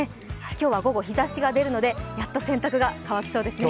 今日は午後、日ざしがでるのでやっと洗濯が乾きそうですね。